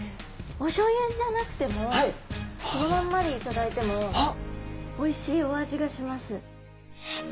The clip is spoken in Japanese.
おしょうゆじゃなくてもそのまんまでいただいてもおいしいお味がします。